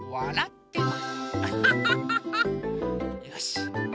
よし！